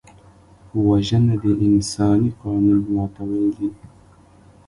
وژنه د انساني قانون ماتول دي